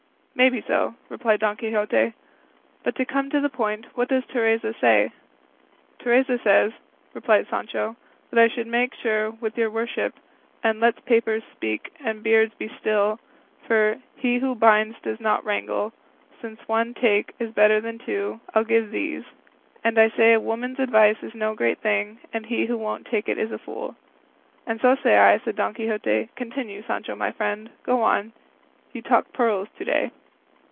"May be so," replied Don Quixote; "but to come to the point, what does Teresa say?" "Teresa says," replied Sancho, "that I should make sure with your worship, and 'let papers speak and beards be still,' for 'he who binds does not wrangle,' since one 'take' is better than two 'I'll give thee's;' and I say a woman's advice is no great thing, and he who won't take it is a fool." "And so say I," said Don Quixote; "continue, Sancho my friend; go on; you talk pearls to day."